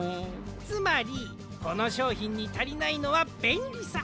つまりこのしょうひんにたりないのはべんりさ。